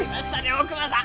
大窪さん！